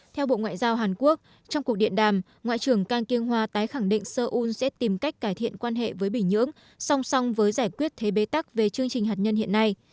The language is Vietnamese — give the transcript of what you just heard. theo bộ ngoại giao hàn quốc trong cuộc điện đàm ngoại trưởng kang kyung hwa tái khẳng định seoul sẽ tìm cách cải thiện quan hệ với bình nhưỡng song song với giải quyết thế bế tắc về chương trình hạt nhân hiện nay